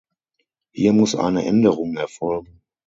Hier muss eine Änderung erfolgen.